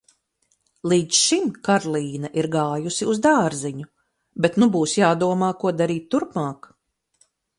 Līdz šim Karlīne ir gājusi uz dārziņu, bet nu būs jādomā, ko darīt turpmāk.